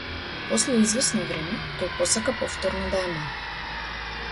После извесно време, тој посака повторно да е мал.